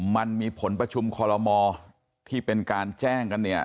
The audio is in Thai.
มันมีผลประชุมคอลโลมอที่เป็นการแจ้งกันเนี่ย